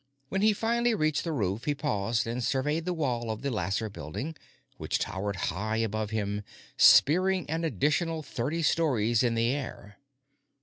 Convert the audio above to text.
When he finally reached the roof, he paused and surveyed the wall of the Lasser Building, which towered high above him, spearing an additional thirty stories in the air.